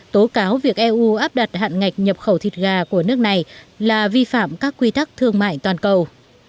tố cáo việc eu áp đặt hạn ngạch nhập khẩu thịt gà của nước này là vi phạm các quy tắc thương mại toàn cầu